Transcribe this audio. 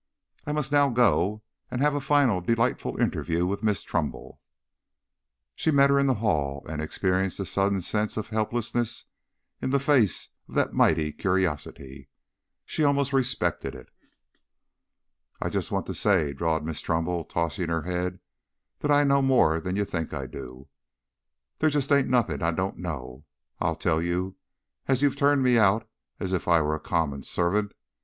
I must now go and have a final delightful interview with Miss Trumbull." She met her in the hall, and experienced a sudden sense of helplessness in the face of that mighty curiosity. She almost respected it. "I just want to say," drawled Miss Trumbull, tossing her head, "that I know more'n you think I do. There just ain't nothin' I don't know, I'll tell you, as you've turned me out as if I was a common servant.